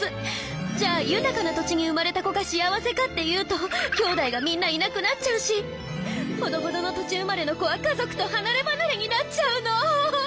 じゃ豊かな土地に生まれた子が幸せかっていうときょうだいがみんないなくなっちゃうしほどほどの土地生まれの子は家族と離れ離れになっちゃうの。